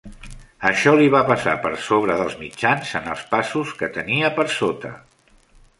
Això li va passar per sobre dels mitjans en els passos que tenia per sota.